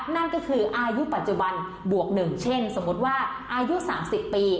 นั่นก็คืออายุปัจจุบันบวก๑เช่นสมมุติว่าอายุ๓๐ปี